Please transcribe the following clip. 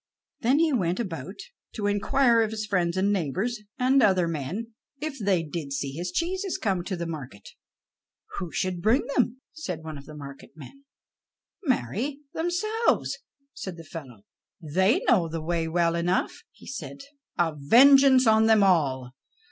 Then he went about to inquire of his friends and neighbors, and other men, if they did see his cheeses come to the market. "Who should bring them?" said one of the market men. "Marry, themselves," said the fellow; "they know the way well enough." And then he said: "A vengeance on them all.